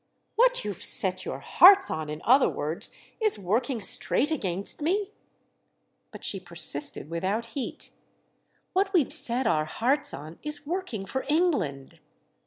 "What you've set your hearts on, in other words, is working straight against me?" But she persisted without heat. "What we've set our hearts on is working for England."